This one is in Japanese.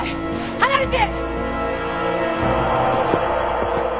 離れて！